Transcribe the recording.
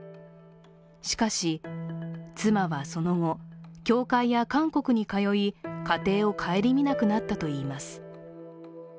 しかし妻はその後、教会や韓国に通い家庭を顧みなくなったといいます。